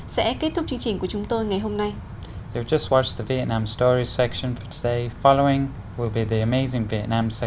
sẽ kết thúc chương trình của chúng tôi ngày hôm nay